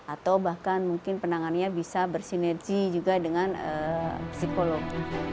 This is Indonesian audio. atau bahkan mungkin penanganannya bisa bersinergi juga dengan psikolog